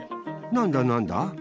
何だ何だ？